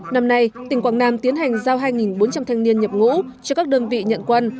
năm nay tỉnh quảng nam tiến hành giao hai bốn trăm linh thanh niên nhập ngũ cho các đơn vị nhận quân